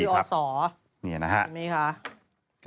อันนี้คือออสสอร์ใช่ไหมคะ